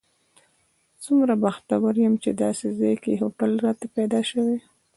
څومره بختور یم چې داسې ځای کې هوټل راته پیدا شوی.